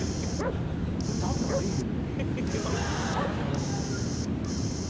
これ食べた方がいいよ。